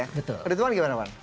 ketentuan gimana wan